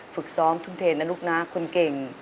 ฝึกซ้อมทุ่มเทนะลูกนะคนเก่ง